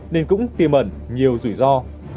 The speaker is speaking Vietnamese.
nên cũng tiêm ẩn nhiều rủi ro